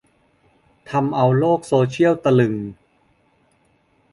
ทำเอาโลกโซเชียลตะลึง